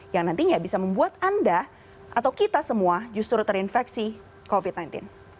yang nantinya bisa membuat anda atau kita semua justru terinfeksi covid sembilan belas